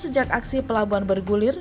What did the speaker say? sejak aksi pelabuhan bergulir